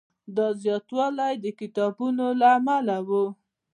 دا زیاتوالی د کتابونو له امله و.